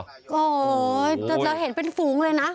โอ้โฮแต่เราเห็นเป็นฝูงเลยนะ